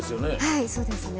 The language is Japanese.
はいそうですね。